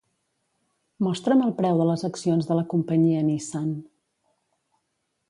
Mostra'm el preu de les accions de la companyia Nissan.